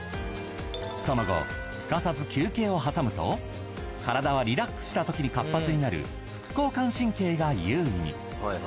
その後すかさず休憩を挟むと体はリラックスしたときに活発になる副交感神経が優位に。